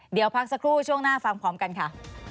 เดี๋ยวพักสักครู่ช่วงหน้าฟังพร้อมกันค่ะ